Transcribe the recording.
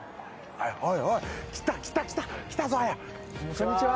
こんにちは。